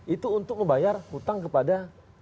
itu untuk membayar hutang kepada